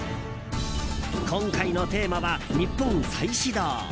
今回のテーマは「ニッポン再始動！！」。